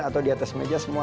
atau di atas meja semua